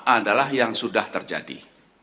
adalah yang sudah terjadi